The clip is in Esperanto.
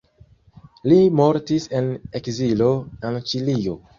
Li mortis en ekzilo en Ĉilio.